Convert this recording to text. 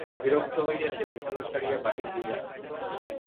বিরক্ত হইয়া সে বিছানা ছাড়িয়া বাহির হইয়া আসিল।